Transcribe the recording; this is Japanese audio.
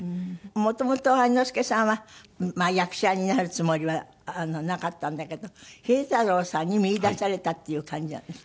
元々愛之助さんは役者になるつもりはなかったんだけど秀太郎さんに見いだされたっていう感じなんですって？